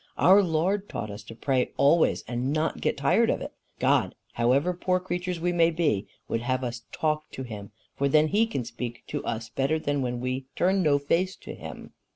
Our Lord taught us to pray always and not get tired of it. God, however poor creatures we may be, would have us talk to him, for then he can speak to us better than when we turn no face to him."